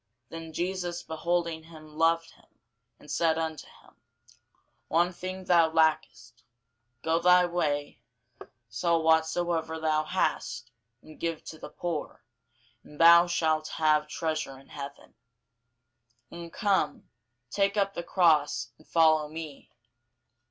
Then Jesus beholding him loved him, and said unto him, One thing thou lackest: go thy way, sell whatsoever thou hast, and give to the poor, and thou shalt have treasure in heaven: and come, take up the cross, and follow me.